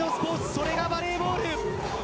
それがバレーボール。